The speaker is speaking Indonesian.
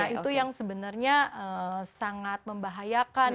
nah itu yang sebenarnya sangat membahayakan